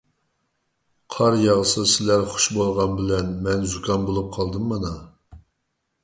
قار ياغسا سىلەر خۇش بولغان بىلەن، مەن زۇكام بولۇپ قالدىم مانا.